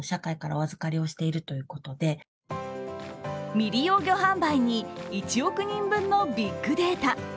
未利用魚販売に１億人分のビッグデータ。